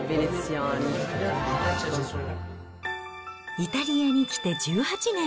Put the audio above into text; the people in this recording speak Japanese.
イタリアに来て１８年。